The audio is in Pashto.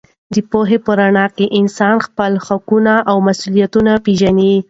د پوهې په رڼا کې انسان خپل حقونه او مسوولیتونه پېژني.